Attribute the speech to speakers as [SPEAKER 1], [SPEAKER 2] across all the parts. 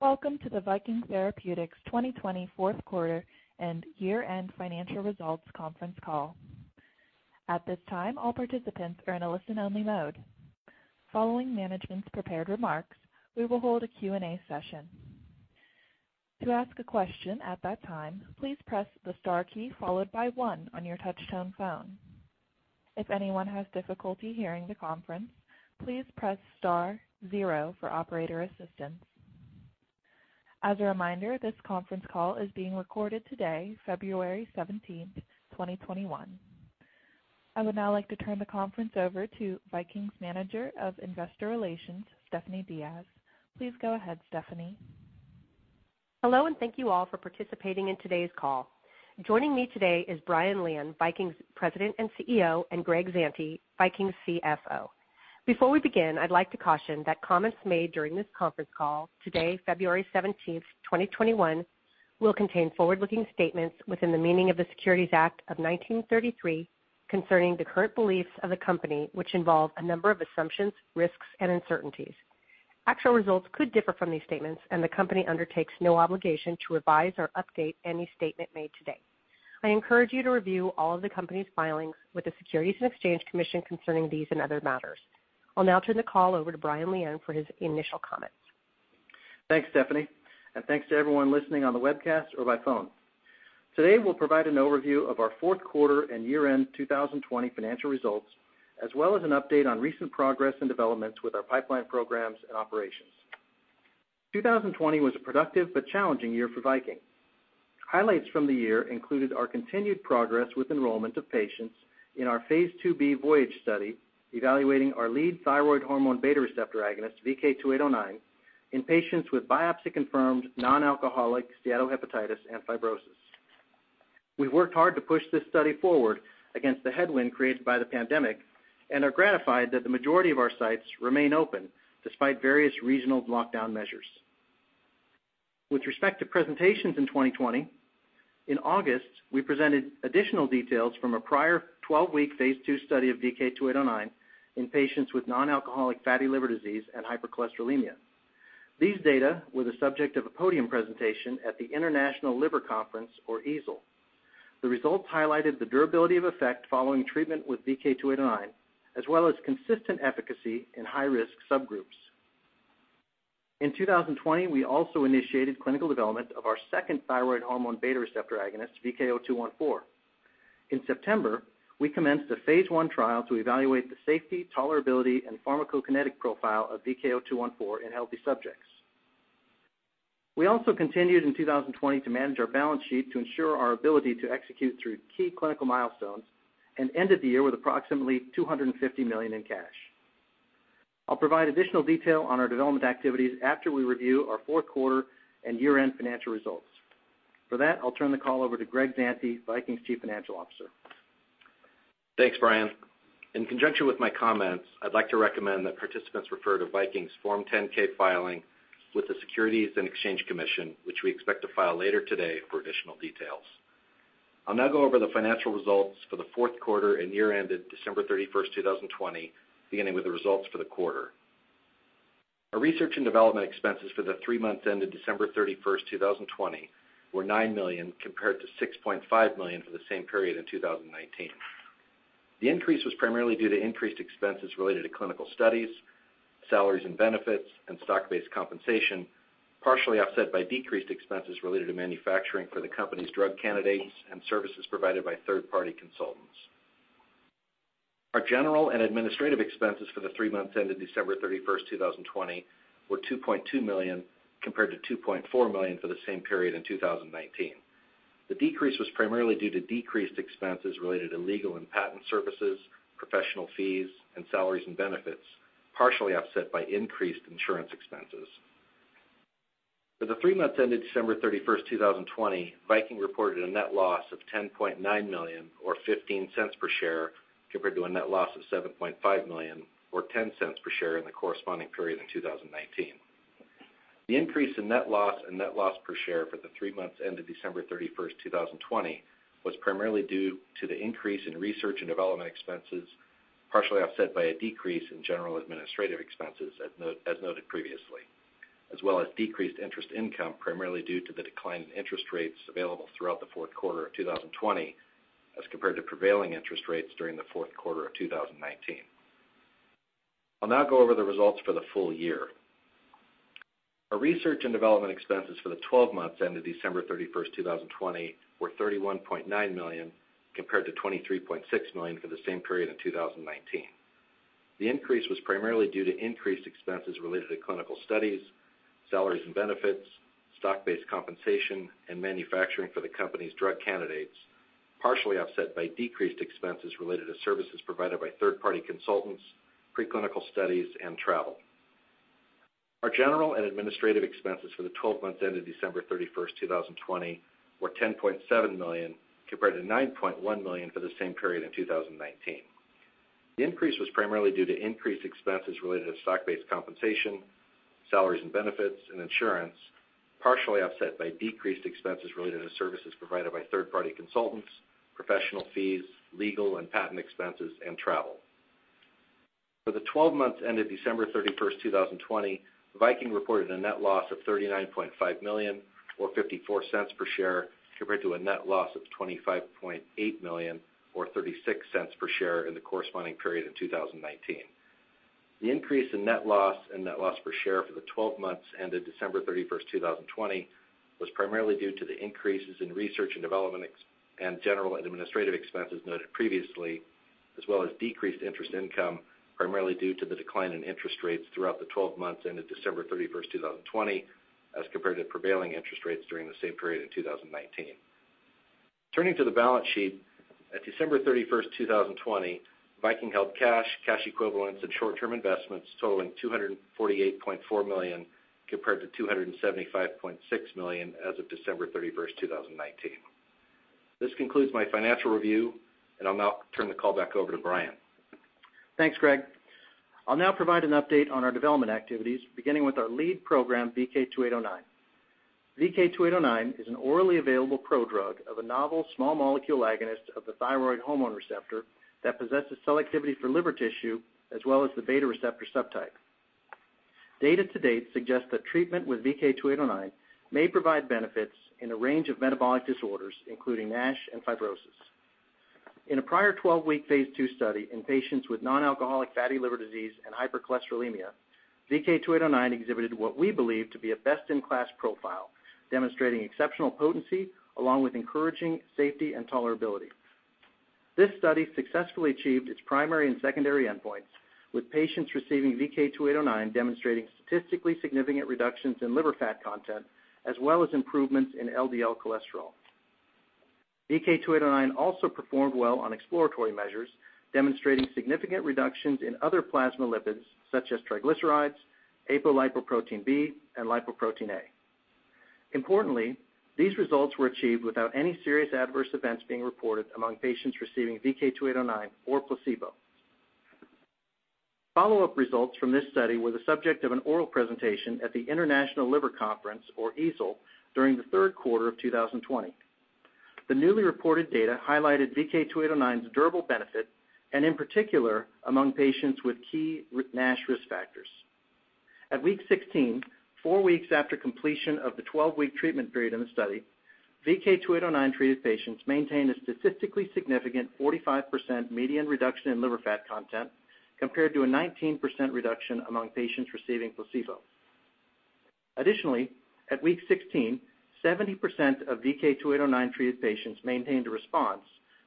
[SPEAKER 1] Welcome to the Viking Therapeutics 2020 fourth quarter and year-end financial results conference call. At this time, all participants are in a listen-only mode. Following management's prepared remarks, we will hold a Q&A session. To ask a question at that time, please press the star key followed by one on your touchtone phone. If anyone has difficulty hearing the conference, please press star zero for operator assistance. As a reminder, this conference call is being recorded today, February 17th, 2021. I would now like to turn the conference over to Viking's Manager of Investor Relations, Stephanie Diaz. Please go ahead, Stephanie.
[SPEAKER 2] Hello. Thank you all for participating in today's call. Joining me today is Brian Lian, Viking's President and CEO, and Greg Zante, Viking's CFO. Before we begin, I'd like to caution that comments made during this conference call today, February 17, 2021, will contain forward-looking statements within the meaning of the Securities Act of 1933 concerning the current beliefs of the company, which involve a number of assumptions, risks, and uncertainties. Actual results could differ from these statements, and the company undertakes no obligation to revise or update any statement made today. I encourage you to review all of the company's filings with the Securities and Exchange Commission concerning these and other matters. I'll now turn the call over to Brian Lian for his initial comments.
[SPEAKER 3] Thanks, Stephanie, and thanks to everyone listening on the webcast or by phone. Today, we'll provide an overview of our fourth quarter and year-end 2020 financial results, as well as an update on recent progress and developments with our pipeline programs and operations. 2020 was a productive but challenging year for Viking. Highlights from the year included our continued progress with enrollment of patients in our phaseII-B VOYAGE study evaluating our lead thyroid hormone beta receptor agonist, VK2809, in patients with biopsy-confirmed non-alcoholic steatohepatitis and fibrosis. We've worked hard to push this study forward against the headwind created by the pandemic and are gratified that the majority of our sites remain open despite various regional lockdown measures. With respect to presentations in 2020, in August, we presented additional details from a prior 12-week phase II study of VK2809 in patients with non-alcoholic fatty liver disease and hypercholesterolemia. These data were the subject of a podium presentation at the International Liver Congress, or EASL. The results highlighted the durability of effect following treatment with VK2809, as well as consistent efficacy in high-risk subgroups. In 2020, we also initiated clinical development of our second thyroid hormone beta receptor agonist, VK0214. In September, we commenced a phase I trial to evaluate the safety, tolerability, and pharmacokinetic profile of VK0214 in healthy subjects. We also continued in 2020 to manage our balance sheet to ensure our ability to execute through key clinical milestones and ended the year with approximately $250 million in cash. I'll provide additional detail on our development activities after we review our fourth quarter and year-end financial results. For that, I'll turn the call over to Greg Zante, Viking's Chief Financial Officer.
[SPEAKER 4] Thanks, Brian. In conjunction with my comments, I'd like to recommend that participants refer to Viking's Form 10-K filing with the Securities and Exchange Commission, which we expect to file later today for additional details. I'll now go over the financial results for the fourth quarter and year ended December 31st, 2020, beginning with the results for the quarter. Our research and development expenses for the three months ended December 31st, 2020 were $9 million, compared to $6.5 million for the same period in 2019. The increase was primarily due to increased expenses related to clinical studies, salaries and benefits, and stock-based compensation, partially offset by decreased expenses related to manufacturing for the company's drug candidates and services provided by third-party consultants. Our general and administrative expenses for the three months ended December 31st, 2020 were $2.2 million, compared to $2.4 million for the same period in 2019. The decrease was primarily due to decreased expenses related to legal and patent services, professional fees, and salaries and benefits, partially offset by increased insurance expenses. For the three months ended December 31st, 2020, Viking reported a net loss of $10.9 million or $0.15 per share, compared to a net loss of $7.5 million or $0.10 per share in the corresponding period in 2019. The increase in net loss and net loss per share for the three months ended December 31st, 2020 was primarily due to the increase in R&D expenses, partially offset by a decrease in G&A expenses as noted previously, as well as decreased interest income, primarily due to the decline in interest rates available throughout the fourth quarter of 2020 as compared to prevailing interest rates during the fourth quarter of 2019. I'll now go over the results for the full year. Our research and development expenses for the 12 months ended December 31st, 2020 were $31.9 million, compared to $23.6 million for the same period in 2019. The increase was primarily due to increased expenses related to clinical studies, salaries and benefits, stock-based compensation, and manufacturing for the company's drug candidates, partially offset by decreased expenses related to services provided by third-party consultants, preclinical studies, and travel. Our general and administrative expenses for the 12 months ended December 31st, 2020 were $10.7 million, compared to $9.1 million for the same period in 2019. The increase was primarily due to increased expenses related to stock-based compensation, salaries and benefits, and insurance, partially offset by decreased expenses related to services provided by third-party consultants, professional fees, legal and patent expenses, and travel. For the 12 months ended December 31st, 2020, Viking reported a net loss of $39.5 million or $0.54 per share compared to a net loss of $25.8 million or $0.36 per share in the corresponding period in 2019. The increase in net loss and net loss per share for the 12 months ended December 31st, 2020 was primarily due to the increases in research and development and general and administrative expenses noted previously, as well as decreased interest income, primarily due to the decline in interest rates throughout the 12 months ended December 31st, 2020, as compared to prevailing interest rates during the same period in 2019. Turning to the balance sheet, at December 31, 2020, Viking held cash equivalents, and short-term investments totaling $248.4 million, compared to $275.6 million as of December 31, 2019. This concludes my financial review, and I'll now turn the call back over to Brian.
[SPEAKER 3] Thanks, Greg. I'll now provide an update on our development activities, beginning with our lead program, VK2809. VK2809 is an orally available prodrug of a novel small molecule agonist of the thyroid hormone receptor that possesses selectivity for liver tissue as well as the beta receptor subtype. Data to date suggests that treatment with VK2809 may provide benefits in a range of metabolic disorders, including NASH and fibrosis. In a prior 12-week phase II study in patients with non-alcoholic fatty liver disease and hypercholesterolemia, VK2809 exhibited what we believe to be a best-in-class profile, demonstrating exceptional potency along with encouraging safety and tolerability. This study successfully achieved its primary and secondary endpoints, with patients receiving VK2809 demonstrating statistically significant reductions in liver fat content, as well as improvements in LDL cholesterol. VK2809 also performed well on exploratory measures, demonstrating significant reductions in other plasma lipids such as triglycerides, apolipoprotein B, and lipoprotein A. Importantly, these results were achieved without any serious adverse events being reported among patients receiving VK2809 or placebo. Follow-up results from this study were the subject of an oral presentation at the International Liver Congress, or EASL, during the third quarter of 2020. The newly reported data highlighted VK2809's durable benefit, and in particular among patients with key NASH risk factors. At week 16, four weeks after completion of the 12-week treatment period in the study, VK2809-treated patients maintained a statistically significant 45% median reduction in liver fat content compared to a 19% reduction among patients receiving placebo. Additionally, at week 16, 70% of VK2809-treated patients maintained a response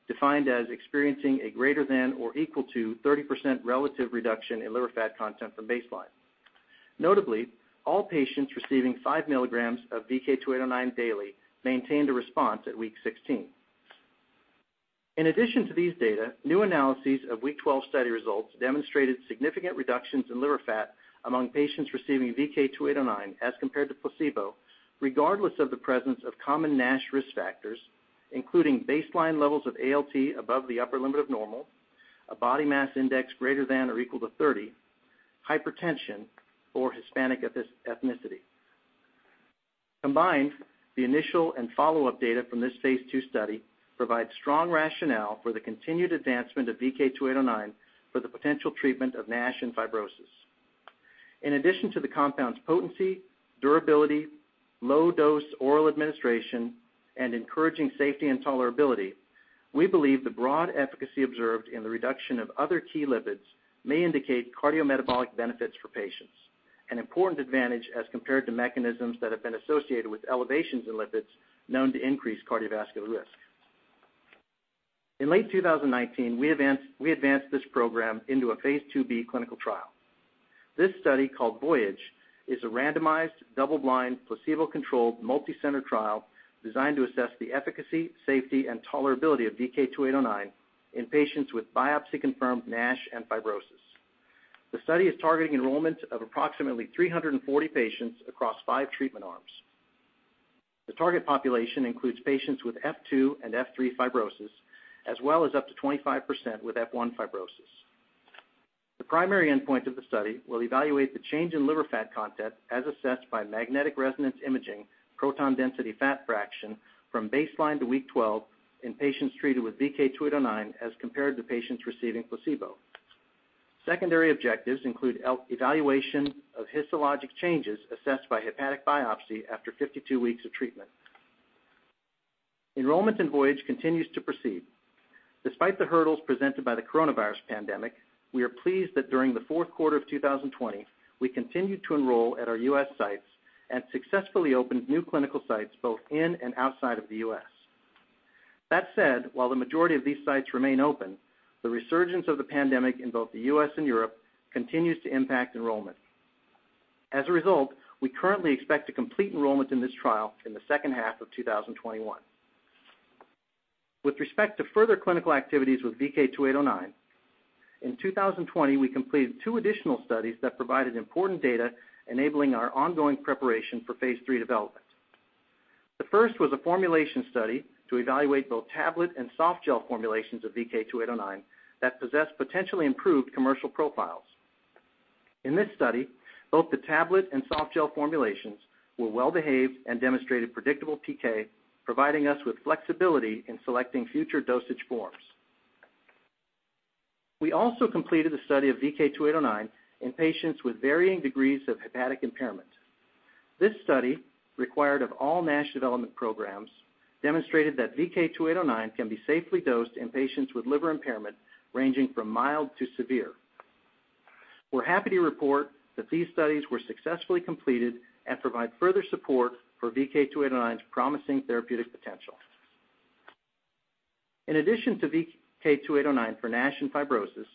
[SPEAKER 3] defined as experiencing a greater than or equal to 30% relative reduction in liver fat content from baseline. Notably, all patients receiving five milligrams of VK2809 daily maintained a response at week 16. In addition to these data, new analyses of week 12 study results demonstrated significant reductions in liver fat among patients receiving VK2809 as compared to placebo, regardless of the presence of common NASH risk factors, including baseline levels of ALT above the upper limit of normal, a body mass index greater than or equal to 30, hypertension, or Hispanic ethnicity. Combined, the initial and follow-up data from this phase II study provides strong rationale for the continued advancement of VK2809 for the potential treatment of NASH and fibrosis. In addition to the compound's potency, durability, low dose oral administration, and encouraging safety and tolerability, we believe the broad efficacy observed in the reduction of other key lipids may indicate cardiometabolic benefits for patients, an important advantage as compared to mechanisms that have been associated with elevations in lipids known to increase cardiovascular risk. In late 2019, we advanced this program into a phase IIB clinical trial. This study, called VOYAGE, is a randomized, double-blind, placebo-controlled, multi-center trial designed to assess the efficacy, safety, and tolerability of VK2809 in patients with biopsy-confirmed NASH and fibrosis. The study is targeting enrollment of approximately 340 patients across five treatment arms. The target population includes patients with F2 and F3 fibrosis, as well as up to 25% with F1 fibrosis. The primary endpoint of the study will evaluate the change in liver fat content as assessed by magnetic resonance imaging proton density fat fraction from baseline to week 12 in patients treated with VK2809 as compared to patients receiving placebo. Secondary objectives include evaluation of histologic changes assessed by hepatic biopsy after 52 weeks of treatment. Enrollment in VOYAGE continues to proceed. Despite the hurdles presented by the coronavirus pandemic, we are pleased that during the fourth quarter of 2020, we continued to enroll at our U.S. sites and successfully opened new clinical sites both in and outside of the U.S. That said, while the majority of these sites remain open, the resurgence of the pandemic in both the U.S. and Europe continues to impact enrollment. As a result, we currently expect to complete enrollment in this trial in the second half of 2021. With respect to further clinical activities with VK2809, in 2020, we completed two additional studies that provided important data enabling our ongoing preparation for phase III development. The first was a formulation study to evaluate both tablet and softgel formulations of VK2809 that possess potentially improved commercial profiles. In this study, both the tablet and softgel formulations were well-behaved and demonstrated predictable PK, providing us with flexibility in selecting future dosage forms. We also completed a study of VK2809 in patients with varying degrees of hepatic impairment. This study, required of all NASH development programs, demonstrated that VK2809 can be safely dosed in patients with liver impairment ranging from mild to severe. We're happy to report that these studies were successfully completed and provide further support for VK2809's promising therapeutic potential. In addition to VK2809 for NASH and fibrosis,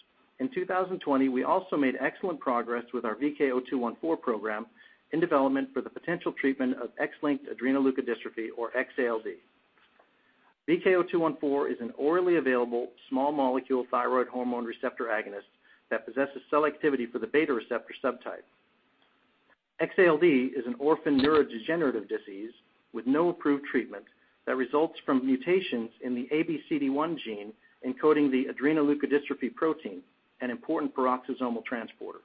[SPEAKER 3] in 2020, we also made excellent progress with our VK0214 program in development for the potential treatment of X-linked adrenoleukodystrophy or XALD. VK0214 is an orally available, small molecule thyroid hormone receptor agonist that possesses cell activity for the beta receptor subtype. XALD is an orphan neurodegenerative disease with no approved treatment that results from mutations in the ABCD1 gene encoding the adrenoleukodystrophy protein, an important peroxisomal transporter.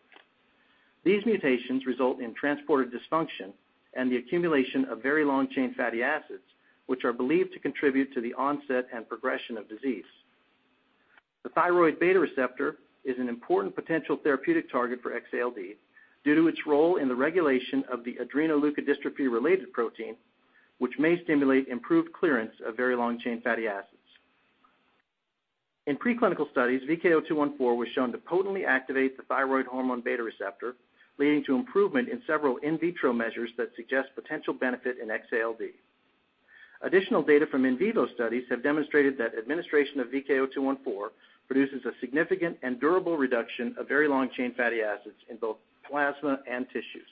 [SPEAKER 3] These mutations result in transporter dysfunction and the accumulation of very long-chain fatty acids, which are believed to contribute to the onset and progression of disease. The thyroid beta receptor is an important potential therapeutic target for XALD due to its role in the regulation of the adrenoleukodystrophy related protein, which may stimulate improved clearance of very long-chain fatty acids. In preclinical studies, VK0214 was shown to potently activate the thyroid hormone beta receptor, leading to improvement in several in vitro measures that suggest potential benefit in X-ALD. Additional data from in vivo studies have demonstrated that administration of VK0214 produces a significant and durable reduction of very long-chain fatty acids in both plasma and tissues.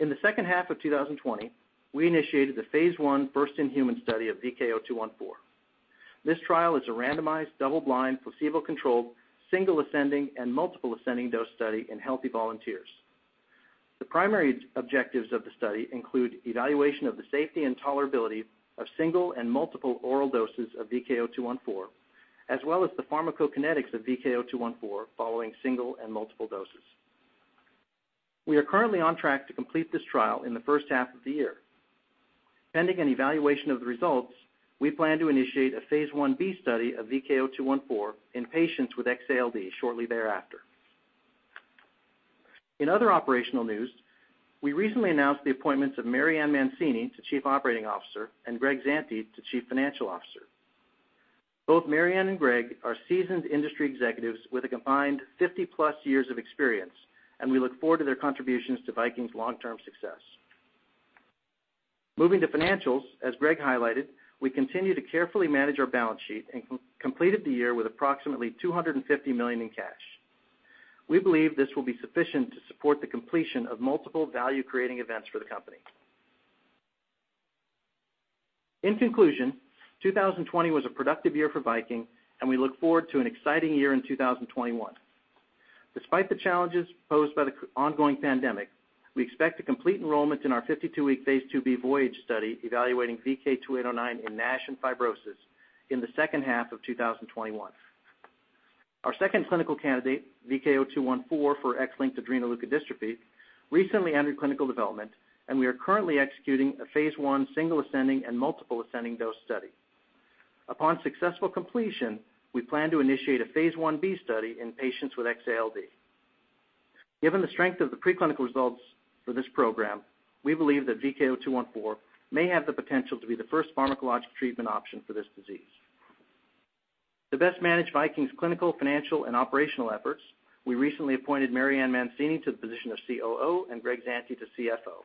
[SPEAKER 3] In the second half of 2020, we initiated the phase I first-in-human study of VK0214. This trial is a randomized, double-blind, placebo-controlled, single ascending and multiple ascending dose study in healthy volunteers. The primary objectives of the study include evaluation of the safety and tolerability of single and multiple oral doses of VK0214, as well as the pharmacokinetics of VK0214 following single and multiple doses. We are currently on track to complete this trial in the first half of the year. Pending an evaluation of the results, we plan to initiate a phase I-B study of VK0214 in patients with XALD shortly thereafter. In other operational news, we recently announced the appointments of Marianne Mancini to Chief Operating Officer and Greg Zante to Chief Financial Officer. Both Marianne and Greg are seasoned industry executives with a combined 50-plus years of experience. We look forward to their contributions to Viking's long-term success. Moving to financials, as Greg highlighted, we continue to carefully manage our balance sheet and completed the year with approximately $250 million in cash. We believe this will be sufficient to support the completion of multiple value-creating events for the company. In conclusion, 2020 was a productive year for Viking. We look forward to an exciting year in 2021. Despite the challenges posed by the ongoing pandemic, we expect to complete enrollment in our 52-week phase II-B VOYAGE study evaluating VK2809 in NASH and fibrosis in the second half of 2021. Our second clinical candidate, VK0214 for X-linked adrenoleukodystrophy, recently entered clinical development, and we are currently executing a phase I single ascending and multiple ascending dose study. Upon successful completion, we plan to initiate a phase I-B study in patients with XALD. Given the strength of the preclinical results for this program, we believe that VK0214 may have the potential to be the first pharmacological treatment option for this disease. To best manage Viking's clinical, financial, and operational efforts, we recently appointed Marianne Mancini to the position of COO and Greg Zante to CFO.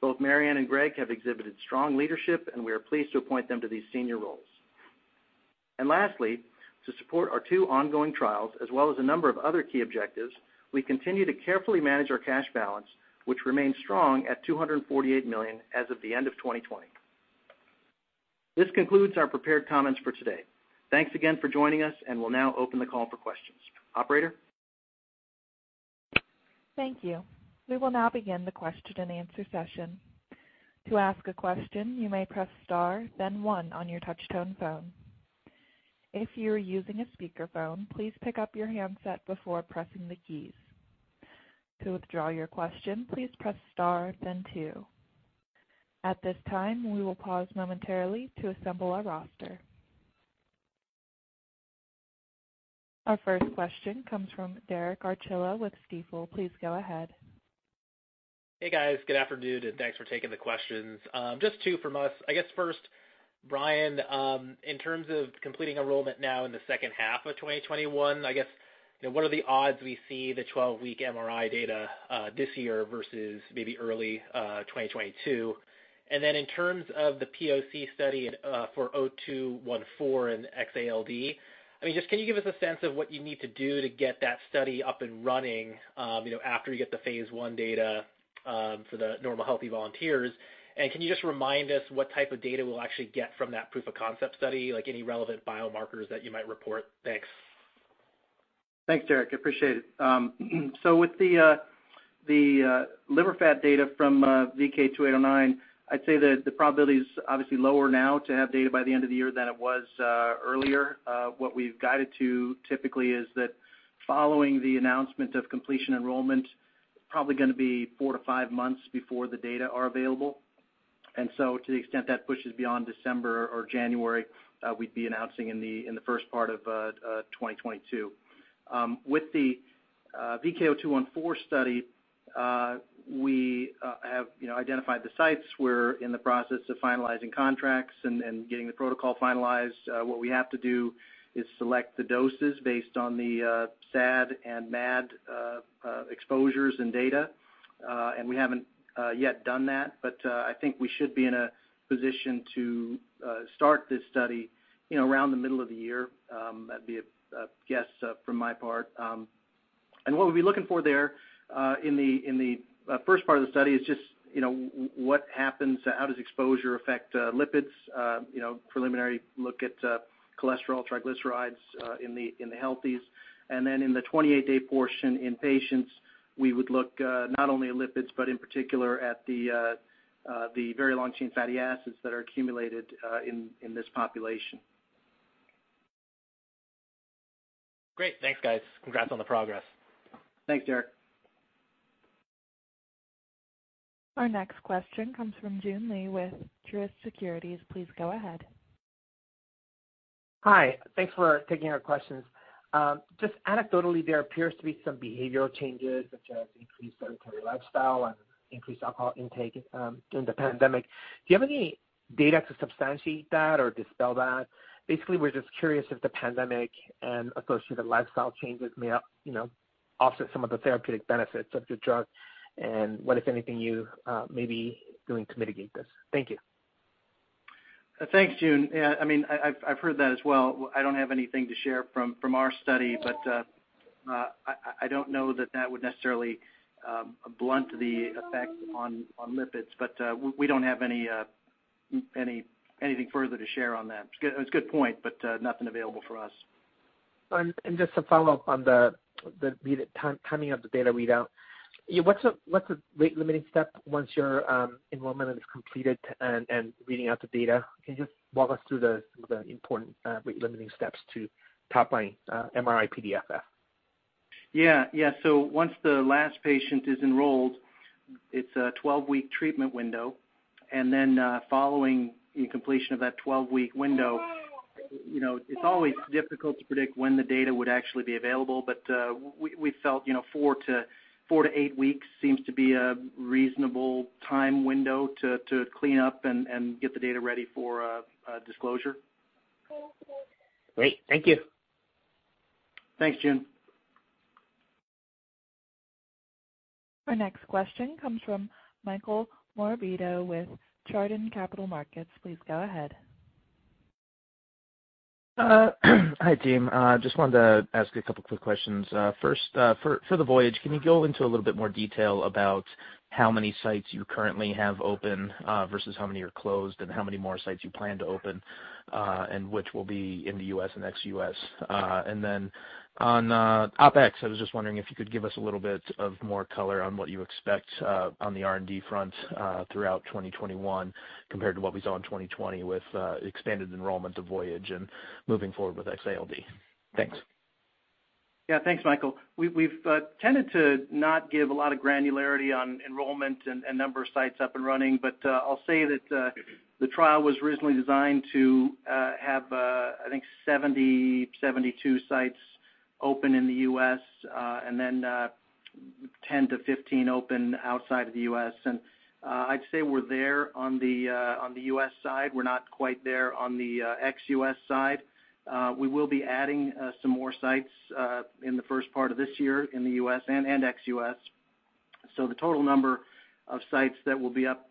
[SPEAKER 3] Both Marianne and Greg have exhibited strong leadership, and we are pleased to appoint them to these senior roles. Lastly, to support our two ongoing trials, as well as a number of other key objectives, we continue to carefully manage our cash balance, which remains strong at $248 million as of the end of 2020. This concludes our prepared comments for today. Thanks again for joining us, and we'll now open the call for questions. Operator?
[SPEAKER 1] Thank you. We will now begin the question-and-answer session. To ask a question, you may press star then one on your touch-tone phone. If you are using a speakerphone, please pick up your handset before pressing the keys. To withdraw your question, please press star then two. At this time, we will pause momentarily to assemble our roster. Our first question comes from Derek Archila with Stifel. Please go ahead.
[SPEAKER 5] Hey, guys. Good afternoon. Thanks for taking the questions. Just two from us. First, Brian, in terms of completing enrollment now in the second half of 2021, what are the odds we see the 12-week MRI data this year versus maybe early 2022? Then in terms of the POC study for VK0214 and XALD, can you give us a sense of what you need to do to get that study up and running after you get the phase I data for the normal healthy volunteers? Can you just remind us what type of data we'll actually get from that proof of concept study, like any relevant biomarkers that you might report? Thanks.
[SPEAKER 3] Thanks, Derek. Appreciate it. With the liver fat data from VK2809, I'd say that the probability is obviously lower now to have data by the end of the year than it was earlier. What we've guided to typically is that following the announcement of completion enrollment, probably going to be four to five months before the data are available. To the extent that pushes beyond December or January, we'd be announcing in the first part of 2022. With the VK0214 study, we have identified the sites. We're in the process of finalizing contracts and getting the protocol finalized. What we have to do is select the doses based on the SAD and MAD exposures and data. We haven't yet done that, but I think we should be in a position to start this study around the middle of the year. That'd be a guess from my part. What we'll be looking for there in the first part of the study is just what happens, how does exposure affect lipids, preliminary look at cholesterol triglycerides in the healthies. In the 28-day portion in patients, we would look not only at lipids, but in particular at the very long-chain fatty acids that are accumulated in this population.
[SPEAKER 5] Great. Thanks, guys. Congrats on the progress.
[SPEAKER 3] Thanks, Derek.
[SPEAKER 1] Our next question comes from Joon Lee with Truist Securities. Please go ahead.
[SPEAKER 6] Hi. Thanks for taking our questions. Just anecdotally, there appears to be some behavioral changes, such as increased sedentary lifestyle and increased alcohol intake during the pandemic. Do you have any data to substantiate that or dispel that? Basically, we're just curious if the pandemic and associated lifestyle changes may offset some of the therapeutic benefits of your drug and what, if anything, you may be doing to mitigate this. Thank you.
[SPEAKER 3] Thanks, Joon. I've heard that as well. I don't have anything to share from our study. I don't know that that would necessarily blunt the effect on lipids. We don't have anything further to share on that. It's a good point. Nothing available for us.
[SPEAKER 6] Just to follow up on the timing of the data readout. What's the rate limiting step once your enrollment is completed and reading out the data? Can you just walk us through some of the important rate limiting steps to top line MRI-PDFF?
[SPEAKER 3] Yeah. Once the last patient is enrolled, it's a 12-week treatment window. Following the completion of that 12-week window, it's always difficult to predict when the data would actually be available. We felt four to eight weeks seems to be a reasonable time window to clean up and get the data ready for disclosure.
[SPEAKER 6] Great. Thank you.
[SPEAKER 3] Thanks, Joon.
[SPEAKER 1] Our next question comes from Michael Morabito with Chardan Capital Markets. Please go ahead.
[SPEAKER 7] Hi, team. Just wanted to ask a couple quick questions. First for the VOYAGE, can you go into a little bit more detail about how many sites you currently have open versus how many are closed and how many more sites you plan to open, and which will be in the U.S. and ex-U.S.? On OpEx, I was just wondering if you could give us a little bit of more color on what you expect on the R&D front throughout 2021 compared to what we saw in 2020 with expanded enrollment to VOYAGE and moving forward with X-ALD. Thanks.
[SPEAKER 3] Yeah. Thanks, Michael. We've tended to not give a lot of granularity on enrollment and number of sites up and running, but I'll say that the trial was originally designed to have I think 70, 72 sites open in the U.S., and then 10 to 15 open outside of the U.S. I'd say we're there on the U.S. side. We're not quite there on the ex-U.S. side. We will be adding some more sites in the first part of this year in the U.S. and ex-U.S. The total number of sites that will be up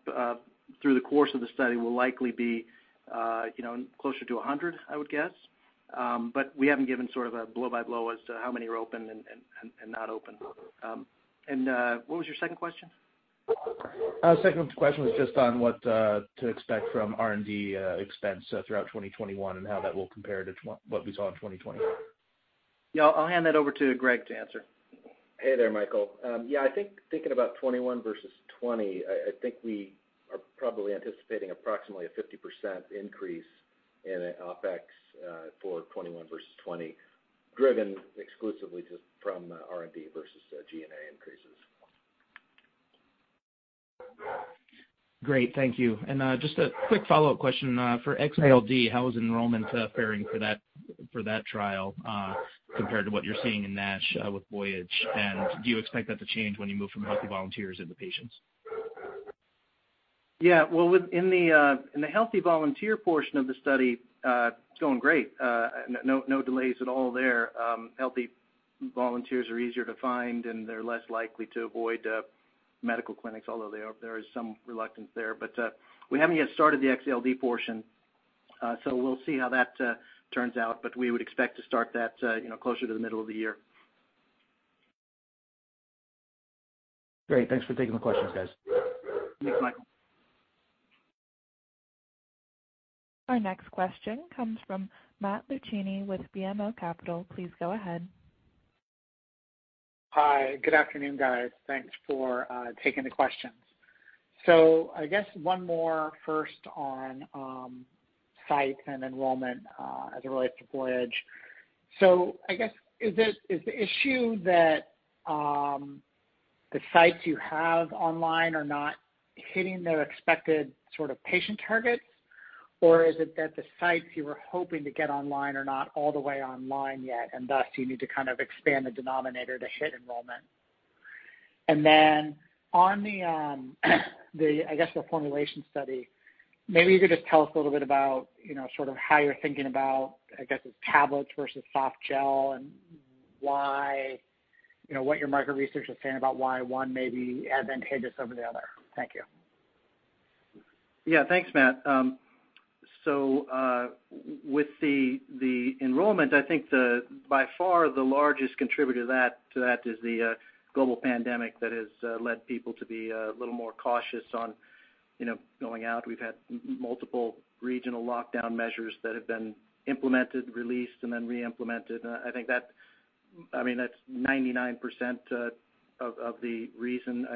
[SPEAKER 3] through the course of the study will likely be closer to 100, I would guess. We haven't given sort of a blow-by-blow as to how many are open and not open. What was your second question?
[SPEAKER 7] Second question was just on what to expect from R&D expense throughout 2021, and how that will compare to what we saw in 2020?
[SPEAKER 3] Yeah. I'll hand that over to Greg to answer.
[SPEAKER 4] Hey there, Michael. Yeah, I think thinking about 2021 versus 2020, I think we are probably anticipating approximately a 50% increase in OpEx for 2021 versus 2020, driven exclusively just from R&D versus G&A increases.
[SPEAKER 7] Great. Thank you. Just a quick follow-up question. For X-ALD, how is enrollment faring for that trial compared to what you're seeing in NASH with VOYAGE? Do you expect that to change when you move from healthy volunteers into patients?
[SPEAKER 3] Well, in the healthy volunteer portion of the study, it's going great. No delays at all there. Healthy volunteers are easier to find, and they're less likely to avoid medical clinics, although there is some reluctance there. We haven't yet started the X-ALD portion. We'll see how that turns out. We would expect to start that closer to the middle of the year.
[SPEAKER 7] Great. Thanks for taking the questions, guys.
[SPEAKER 3] Thanks, Michael.
[SPEAKER 1] Our next question comes from Matt Luchini with BMO Capital. Please go ahead.
[SPEAKER 8] Hi. Good afternoon, guys. Thanks for taking the questions. I guess one more first on sites and enrollment as it relates to VOYAGE. I guess, is the issue that the sites you have online are not hitting their expected sort of patient targets? Or is it that the sites you were hoping to get online are not all the way online yet, and thus you need to kind of expand the denominator to hit enrollment? Then on the formulation study, maybe you could just tell us a little bit about how you're thinking about, I guess it's tablets versus soft gel, and what your market research is saying about why one may be advantageous over the other. Thank you.
[SPEAKER 3] Thanks, Matt. With the enrollment, I think by far the largest contributor to that is the global pandemic that has led people to be a little more cautious on going out. We've had multiple regional lockdown measures that have been implemented, released, and then re-implemented. I think that's 99% of the reason.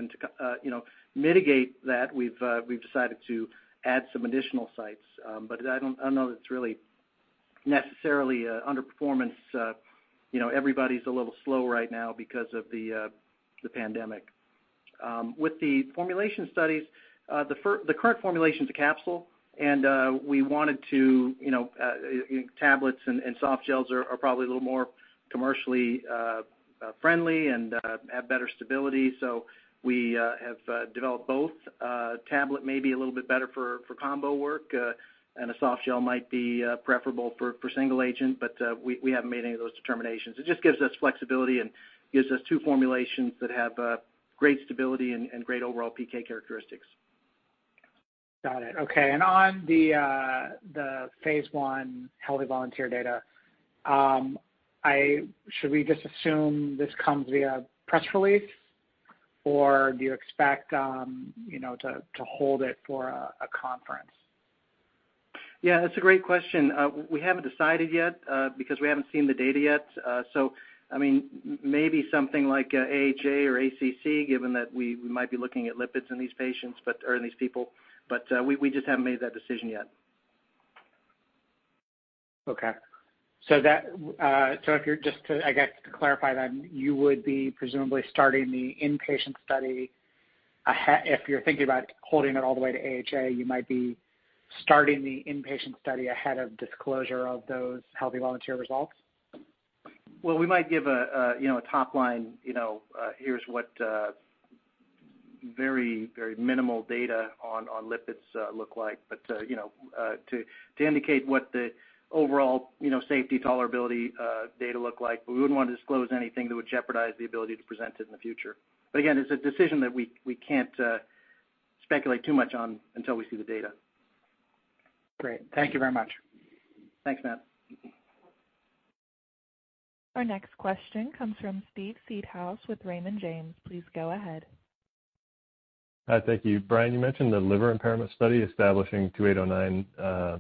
[SPEAKER 3] To mitigate that, we've decided to add some additional sites. I don't know that it's really necessarily an underperformance. Everybody's a little slow right now because of the pandemic. With the formulation studies, the current formulation's a capsule, and tablets and soft gels are probably a little more commercially friendly and have better stability, so we have developed both. Tablet may be a little bit better for combo work, and a soft gel might be preferable for single agent, but we haven't made any of those determinations. It just gives us flexibility and gives us two formulations that have great stability and great overall PK characteristics.
[SPEAKER 8] Got it. Okay. On the phase I healthy volunteer data, should we just assume this comes via press release, or do you expect to hold it for a conference?
[SPEAKER 3] Yeah, that's a great question. We haven't decided yet, because we haven't seen the data yet. Maybe something like AHA or ACC, given that we might be looking at lipids in these patients, or in these people, but we just haven't made that decision yet.
[SPEAKER 8] If you're just to, I guess, to clarify then, you would be presumably starting the inpatient study ahead, if you're thinking about holding it all the way to AHA, you might be starting the inpatient study ahead of disclosure of those healthy volunteer results?
[SPEAKER 3] Well, we might give a top line, here's what very minimal data on lipids look like, to indicate what the overall safety tolerability data look like. We wouldn't want to disclose anything that would jeopardize the ability to present it in the future. Again, it's a decision that we can't speculate too much on until we see the data.
[SPEAKER 8] Great. Thank you very much.
[SPEAKER 3] Thanks, Matt.
[SPEAKER 1] Our next question comes from Steve Seedhouse with Raymond James. Please go ahead.
[SPEAKER 9] Hi. Thank you. Brian, you mentioned the liver impairment study establishing 2809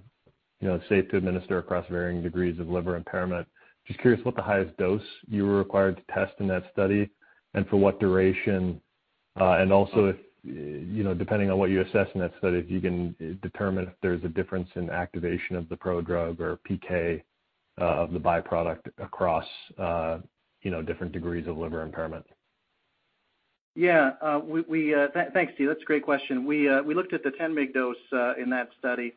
[SPEAKER 9] safe to administer across varying degrees of liver impairment. Just curious what the highest dose you were required to test in that study, and for what duration. Also if, depending on what you assess in that study, if you can determine if there's a difference in activation of the prodrug or PK of the byproduct across different degrees of liver impairment.
[SPEAKER 3] Yeah. Thanks, Steve. That's a great question. We looked at the 10 mg dose in that study.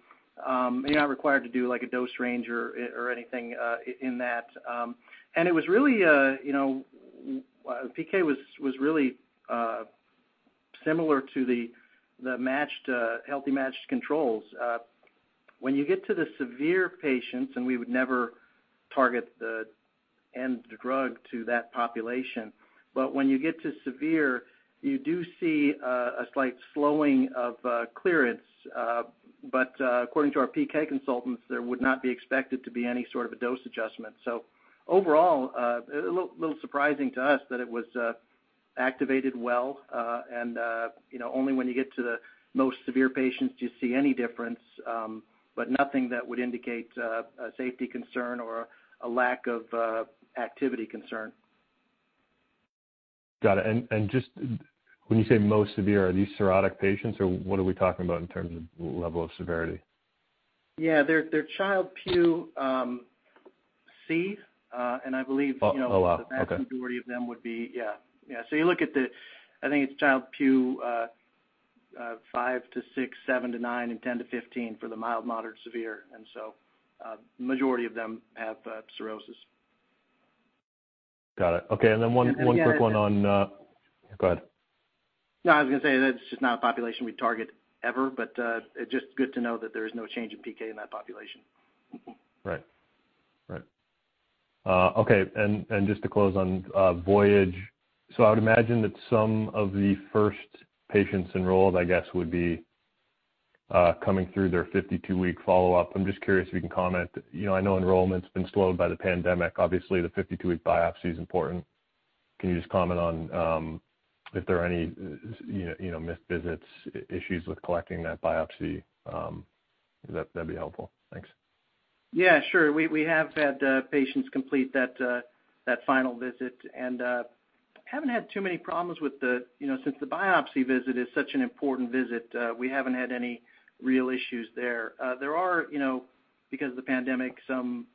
[SPEAKER 3] You're not required to do, like, a dose range or anything in that. PK was really similar to the healthy matched controls. When you get to the severe patients, and we would never target the end of the drug to that population, but when you get to severe, you do see a slight slowing of clearance. According to our PK consultants, there would not be expected to be any sort of a dose adjustment. Overall, a little surprising to us that it was activated well, and only when you get to the most severe patients do you see any difference, but nothing that would indicate a safety concern or a lack of activity concern.
[SPEAKER 9] Got it. Just when you say most severe, are these cirrhotic patients, or what are we talking about in terms of level of severity?
[SPEAKER 3] Yeah. They're Child-Pugh C.
[SPEAKER 9] Oh, wow. Okay.
[SPEAKER 3] The vast majority of them. Yeah. You look at the, I think it's Child-Pugh 5 to 6, 7 to 9, and 10 to 15 for the mild, moderate, severe. Majority of them have cirrhosis.
[SPEAKER 9] Got it. Okay. One quick one. Go ahead.
[SPEAKER 3] No, I was going to say, that's just not a population we target ever, but it's just good to know that there is no change in PK in that population.
[SPEAKER 9] Right. Okay. Just to close on VOYAGE, I would imagine that some of the first patients enrolled, I guess, would be coming through their 52-week follow-up. I'm just curious if you can comment. I know enrollment's been slowed by the pandemic. Obviously, the 52-week biopsy is important. Can you just comment on if there are any missed visits, issues with collecting that biopsy? That'd be helpful. Thanks.
[SPEAKER 3] Yeah, sure. We have had patients complete that final visit and haven't had too many problems. Since the biopsy visit is such an important visit, we haven't had any real issues there. There are, because of the pandemic, some,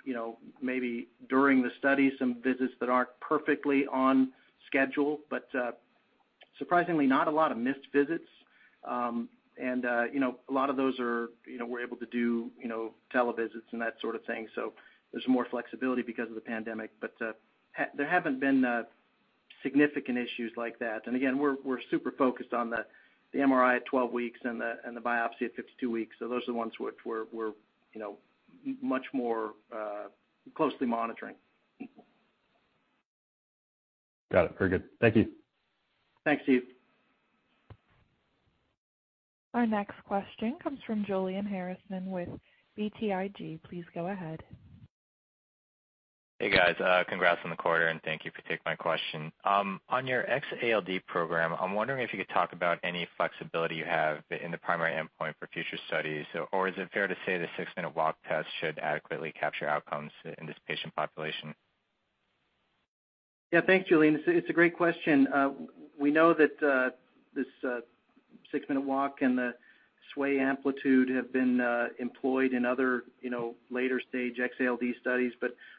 [SPEAKER 3] maybe during the study, some visits that aren't perfectly on schedule, but surprisingly not a lot of missed visits. A lot of those we're able to do tele-visits and that sort of thing, so there's more flexibility because of the pandemic. There haven't been significant issues like that. Again, we're super focused on the MRI at 12 weeks and the biopsy at 52 weeks. Those are the ones which we're much more closely monitoring.
[SPEAKER 9] Got it. Very good. Thank you.
[SPEAKER 3] Thanks, Steve.
[SPEAKER 1] Our next question comes from Julian Harrison with BTIG. Please go ahead.
[SPEAKER 10] Hey, guys. Congrats on the quarter. Thank you for taking my question. On your X-ALD program, I'm wondering if you could talk about any flexibility you have in the primary endpoint for future studies, or is it fair to say the six-minute walk test should adequately capture outcomes in this patient population?
[SPEAKER 3] Yeah. Thanks, Julian. It's a great question. We know that this six-minute walk and the sway amplitude have been employed in other later stage X-ALD studies.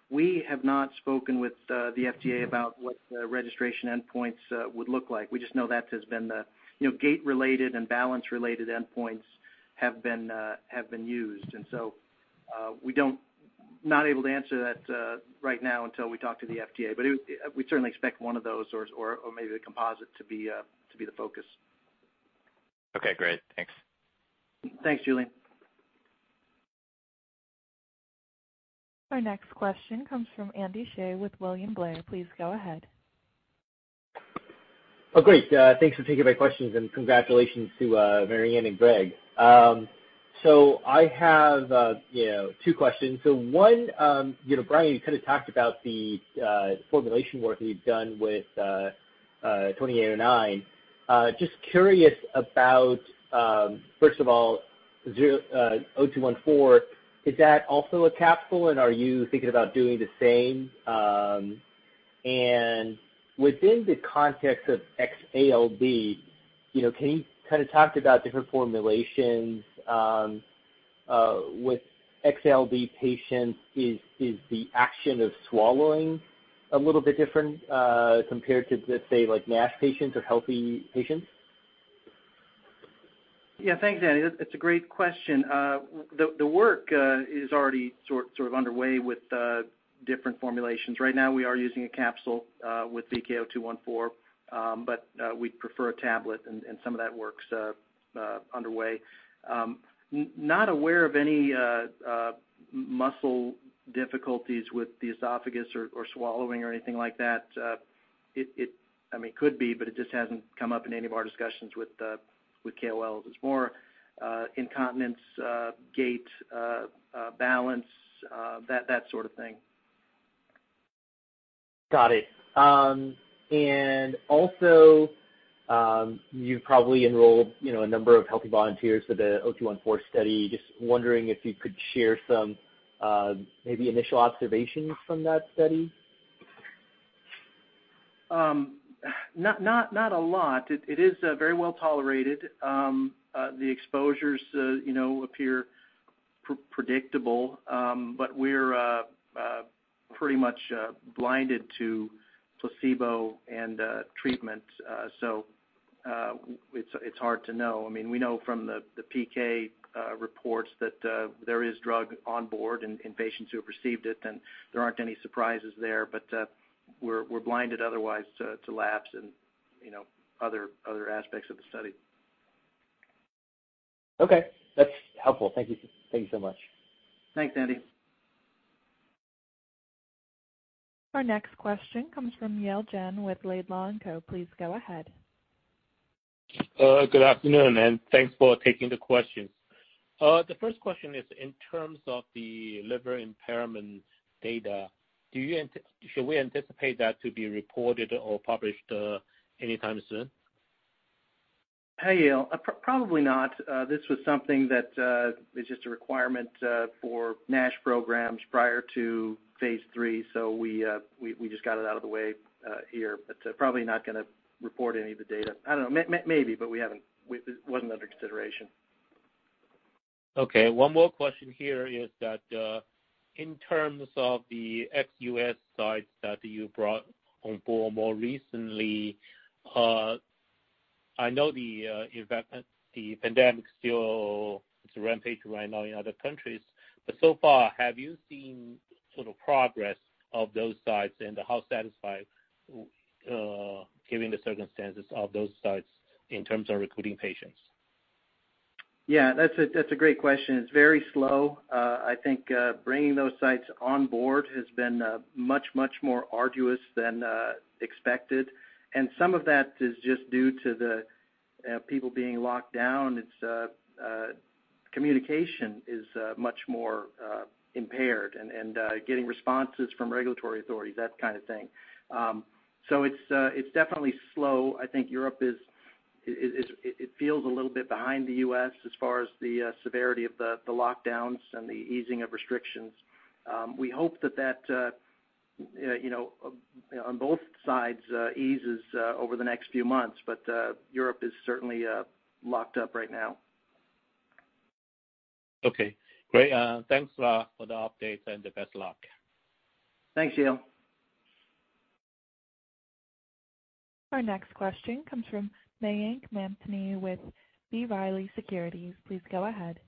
[SPEAKER 3] We have not spoken with the FDA about what the registration endpoints would look like. We just know gait-related and balance-related endpoints have been used. We're not able to answer that right now until we talk to the FDA, but we certainly expect one of those or maybe the composite to be the focus.
[SPEAKER 10] Okay, great. Thanks.
[SPEAKER 3] Thanks, Julian.
[SPEAKER 1] Our next question comes from Andy Hsieh with William Blair. Please go ahead.
[SPEAKER 11] Oh, great. Thanks for taking my questions and congratulations to Marianne and Greg. I have two questions. One, Brian, you kind of talked about the formulation work that you've done with 2809. Just curious about first of all, 0214, is that also a capsule and are you thinking about doing the same? Within the context of XALD, can you talk about different formulations? With XALD patients, is the action of swallowing a little bit different compared to, let's say, NASH patients or healthy patients?
[SPEAKER 3] Yeah. Thanks, Andy. That's a great question. The work is already sort of underway with different formulations. Right now we are using a capsule with VK-0214, but we'd prefer a tablet and some of that work's underway. Not aware of any muscle difficulties with the esophagus or swallowing or anything like that. It could be, but it just hasn't come up in any of our discussions with KOLs. It's more incontinence, gait, balance, that sort of thing.
[SPEAKER 11] Got it. You've probably enrolled a number of healthy volunteers for the VK0214 study. Just wondering if you could share some maybe initial observations from that study.
[SPEAKER 3] Not a lot. It is very well tolerated. The exposures appear predictable. We're pretty much blinded to placebo and treatment, so it's hard to know. We know from the PK reports that there is drug on board in patients who have received it and there aren't any surprises there. We're blinded otherwise to labs and other aspects of the study.
[SPEAKER 11] Okay. That's helpful. Thank you so much.
[SPEAKER 3] Thanks, Andy.
[SPEAKER 1] Our next question comes from Yale Jen with Laidlaw & Co. Please go ahead.
[SPEAKER 12] Good afternoon. Thanks for taking the questions. The first question is in terms of the liver impairment data, should we anticipate that to be reported or published anytime soon?
[SPEAKER 3] Yale. Probably not. This was something that is just a requirement for NASH programs prior to phase III. We just got it out of the way here, probably not going to report any of the data. I don't know. Maybe, it wasn't under consideration.
[SPEAKER 12] Okay. One more question here is that in terms of the ex-U.S. sites that you brought on board more recently, I know the pandemic still is rampant right now in other countries. So far, have you seen sort of progress of those sites and how satisfied, given the circumstances of those sites in terms of recruiting patients?
[SPEAKER 3] Yeah, that's a great question. It's very slow. I think bringing those sites on board has been much, much more arduous than expected. Some of that is just due to the people being locked down. Communication is much more impaired and getting responses from regulatory authorities, that kind of thing. It's definitely slow. I think Europe, it feels a little bit behind the U.S. as far as the severity of the lockdowns and the easing of restrictions. We hope that that on both sides eases over the next few months. Europe is certainly locked up right now.
[SPEAKER 12] Okay, great. Thanks for the update and best luck.
[SPEAKER 3] Thanks, Yale.
[SPEAKER 1] Our next question comes from Mayank Mamtani with B. Riley Securities. Please go ahead.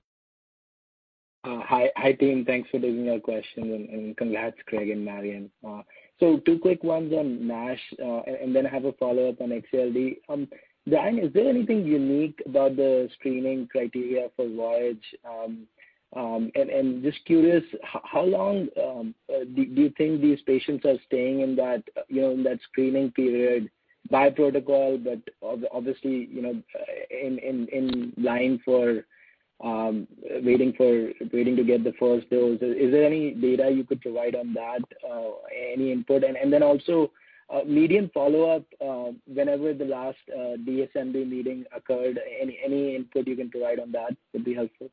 [SPEAKER 13] Hi, team. Thanks for taking our questions, and congrats, Greg and Marianne. Two quick ones on NASH, and then I have a follow-up on X-ALD. Brian, is there anything unique about the screening criteria for VOYAGE? Just curious, how long do you think these patients are staying in that screening period by protocol, but obviously in line for waiting to get the first dose? Is there any data you could provide on that? Any input? Also, median follow-up whenever the last DSMB meeting occurred, any input you can provide on that would be helpful.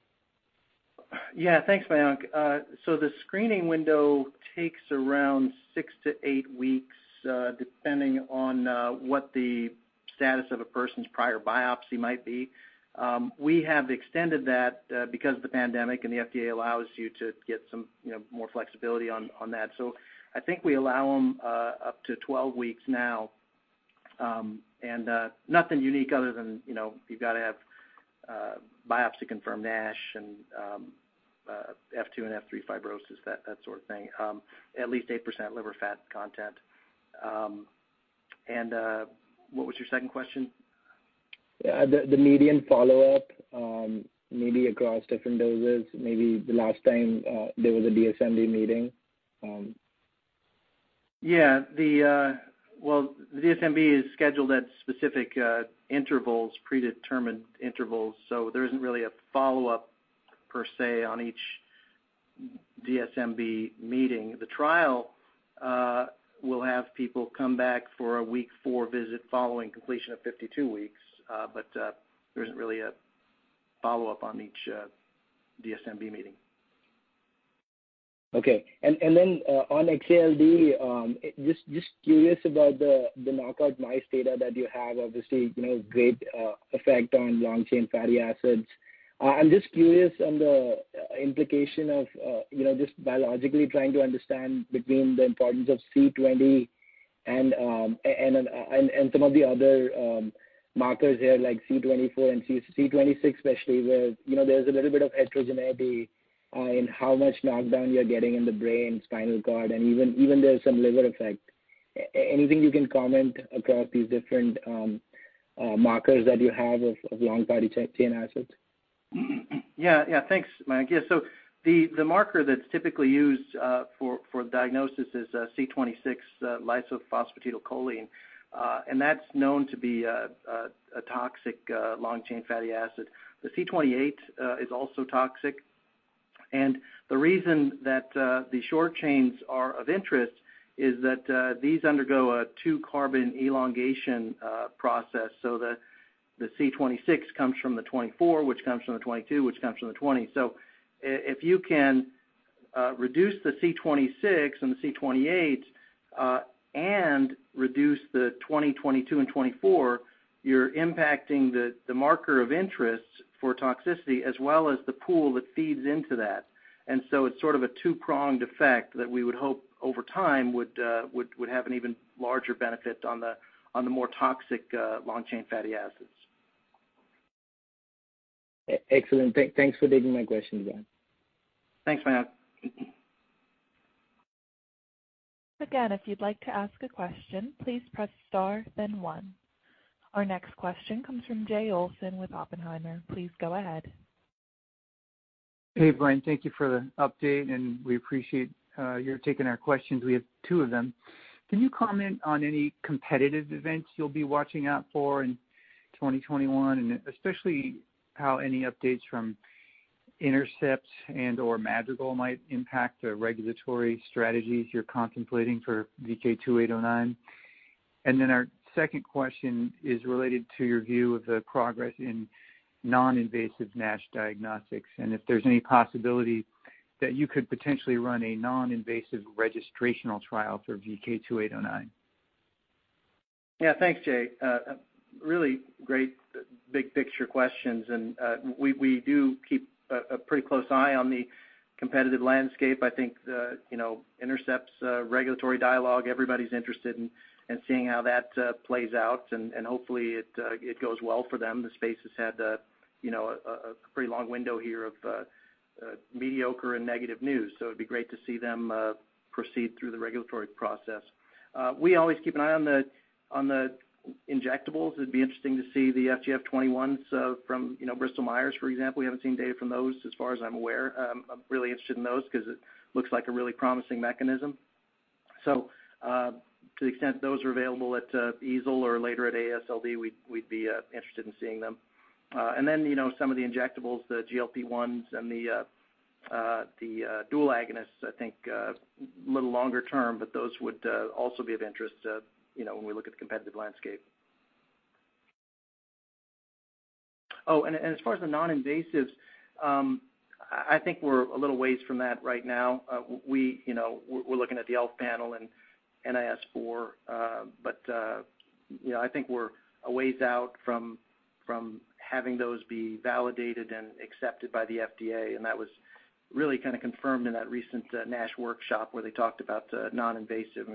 [SPEAKER 3] Yeah, thanks, Mayank. The screening window takes around six to eight weeks, depending on what the status of a person's prior biopsy might be. We have extended that because of the pandemic, and the FDA allows you to get some more flexibility on that. I think we allow them up to 12 weeks now. Nothing unique other than you've got to have biopsy-confirmed NASH and F2 and F3 fibrosis, that sort of thing. At least 8% liver fat content. What was your second question?
[SPEAKER 13] The median follow-up, maybe across different doses, maybe the last time there was a DSMB meeting.
[SPEAKER 3] Yeah. Well, the DSMB is scheduled at specific intervals, predetermined intervals. There isn't really a follow-up per se on each DSMB meeting. The trial will have people come back for a week four visit following completion of 52 weeks. There isn't really a follow-up on each DSMB meeting.
[SPEAKER 13] Okay. On X-ALD, just curious about the knockout mice data that you have. Obviously, great effect on long-chain fatty acids. I'm just curious on the implication of just biologically trying to understand between the importance of C20 and some of the other markers here, like C24 and C26 especially, where there's a little bit of heterogeneity in how much knockdown you're getting in the brain, spinal cord, and even there's some liver effect. Anything you can comment across these different markers that you have of long fatty chain acids?
[SPEAKER 3] Thanks, Mayank. The marker that's typically used for diagnosis is C26 lysophosphatidylcholine, and that's known to be a toxic long-chain fatty acid. The C28 is also toxic. The reason that the short chains are of interest is that these undergo a two-carbon elongation process. The C26 comes from the 24, which comes from the 22, which comes from the 20. If you can reduce the C26 and the C28 and reduce the 20, 22, and 24, you're impacting the marker of interest for toxicity as well as the pool that feeds into that. It's sort of a two-pronged effect that we would hope over time would have an even larger benefit on the more toxic long-chain fatty acids.
[SPEAKER 13] Excellent. Thanks for taking my questions, Brian.
[SPEAKER 3] Thanks, Mayank.
[SPEAKER 1] Again, if you'd like to ask a question, please press star then one. Our next question comes from Jay Olson with Oppenheimer. Please go ahead.
[SPEAKER 14] Hey, Brian. Thank you for the update, and we appreciate your taking our questions. We have two of them. Can you comment on any competitive events you'll be watching out for in 2021, and especially how any updates from Intercept and/or Madrigal might impact the regulatory strategies you're contemplating for VK2809? Our second question is related to your view of the progress in non-invasive NASH diagnostics and if there's any possibility that you could potentially run a non-invasive registrational trial for VK2809.
[SPEAKER 3] Yeah. Thanks, Jay. Really great big picture questions. We do keep a pretty close eye on the competitive landscape. I think Intercept's regulatory dialogue, everybody's interested in seeing how that plays out. Hopefully it goes well for them. The space has had a pretty long window here of mediocre and negative news. It'd be great to see them proceed through the regulatory process. We always keep an eye on the injectables. It'd be interesting to see the FGF21s from Bristol Myers, for example. We haven't seen data from those as far as I'm aware. I'm really interested in those because it looks like a really promising mechanism. To the extent those are available at EASL or later at AASLD, we'd be interested in seeing them. Some of the injectables, the GLP-1s and the dual agonists, I think a little longer term, but those would also be of interest when we look at the competitive landscape. As far as the non-invasive, I think we're a little ways from that right now. We're looking at the ELF panel and NIS4, but I think we're a ways out from having those be validated and accepted by the FDA, and that was really kind of confirmed in that recent NASH workshop where they talked about non-invasive.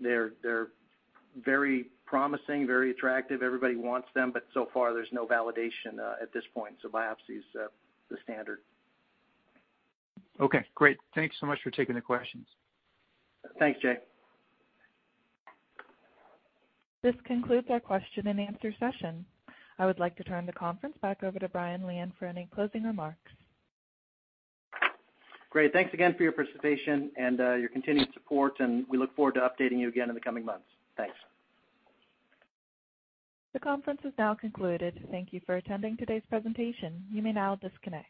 [SPEAKER 3] They're very promising, very attractive. Everybody wants them, but so far there's no validation at this point. Biopsy is the standard.
[SPEAKER 14] Okay, great. Thank you so much for taking the questions.
[SPEAKER 3] Thanks, Jay.
[SPEAKER 1] This concludes our question-and-answer session. I would like to turn the conference back over to Brian Lian for any closing remarks.
[SPEAKER 3] Great. Thanks again for your participation and your continued support. We look forward to updating you again in the coming months. Thanks.
[SPEAKER 1] The conference is now concluded. Thank you for attending today's presentation. You may now disconnect.